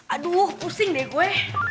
aduh pusing deh gue